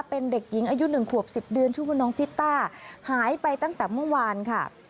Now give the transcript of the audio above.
เป็นเด็กหญิงอายุ๑ขวบ๑๐เดือนชื่อว่าน้องพิตต้าหายไปตั้งแต่เมื่อวานค่ะ